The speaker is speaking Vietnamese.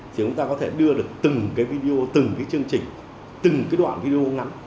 thì chúng ta có thể đưa được từng video từng chương trình từng đoạn video ngắn